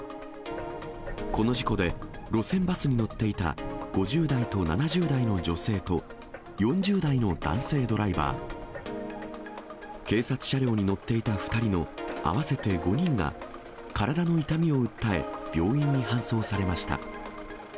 この事故で、路線バスに乗っていた５０代と７０代の女性と、４０代の男性ドライバー、警察車両に乗っていた２人の合わせて５人が、体の痛みを訴え病院に搬送されました。